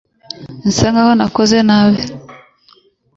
Nsa nkaho nakoze nabi.